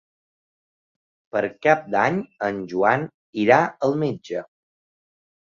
Per Cap d'Any en Joan irà al metge.